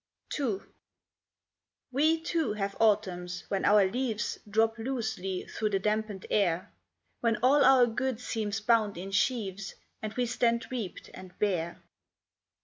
TO . We, too, have autumns, when our leaves Drop loosely through the dampened air, When all our good seems bound in sheaves, And we stand reaped and bare.